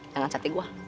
jangan sate gua